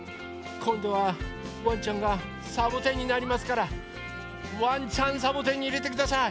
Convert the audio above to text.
こんどはワンちゃんがサボテンになりますからワンちゃんサボテンにいれてください。